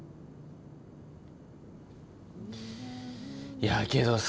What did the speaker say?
いやけどさ